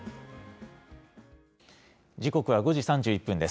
時刻は５時３１分です。